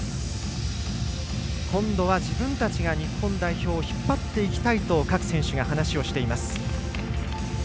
今度は自分たちが日本代表を引っ張っていきたいと各選手が話をしています。